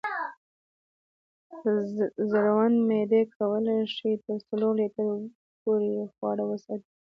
زړوند معدې کولی شي تر څلورو لیټرو پورې خواړه وساتي.